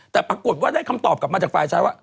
แต่ปรากฏว่าได้คำตอบกลับมาจากฝ่ายชายว่า